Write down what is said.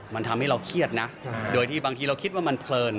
มันทำให้เราเครียดนะโดยที่บางทีเราคิดว่ามันเพลิน